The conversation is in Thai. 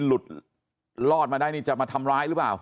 หลุดรอดมาได้นี่จะมาทำร้ายหรือเปล่า